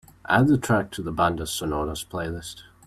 Add the track to the bandas sonoras playlist.